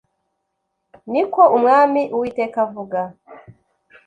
ni ko umwami uwiteka avuga